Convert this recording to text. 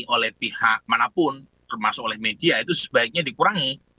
oleh pihak manapun termasuk oleh media itu sebaiknya dikurangi